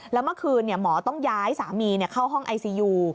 แล้วเมื่อคืนหมอต้องย้ายสามีเข้าห้องไอซียู